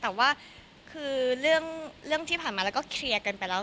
แต่ว่าคือเรื่องที่ผ่านมาแล้วก็เคลียร์กันไปแล้ว